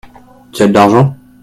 Tu as de l'argent ?